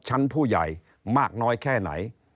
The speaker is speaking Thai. ชั้นผู้ใหญ่มากน้อยแค่ไหน